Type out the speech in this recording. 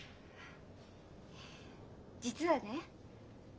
実はね